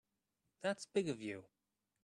That's big of you.